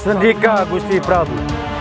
sendika gusti prabu